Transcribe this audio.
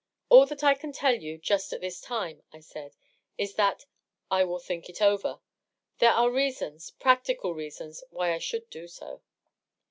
" All that I can tell you just at this time," I said, " is that — I will think it over. There are reasons — practical reasons — why I should do so."